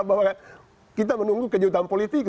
bahwa kita menunggu kejutan politik